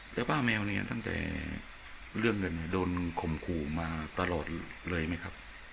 แล้วป้าแมวเนี่ยตั้งแต่เรื่องเงินโดนข่มขู่มาตลอดเลยไหมครับ